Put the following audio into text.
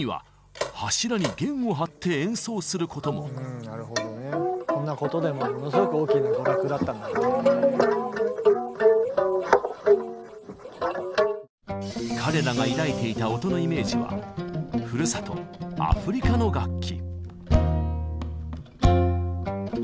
うんなるほどねこんなことでもものすごく彼らが抱いていた音のイメージはふるさとアフリカの楽器。